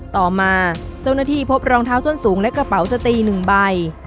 ต่อมาเจ้าหน้าที่พบรองเท้าส้นสูงและกระเป๋าสตี๑ใบ